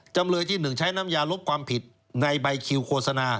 จำเลยที่๑ใช้น้ำยาลบความผิดในใบคิวโฆษณา